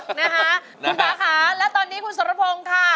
คุณปะคะและตอนนี้คุณสอรพงธ์